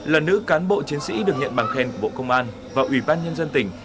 là nữ cán bộ chiến sĩ được nhận bằng khen của bộ công an và ủy ban nhân dân tỉnh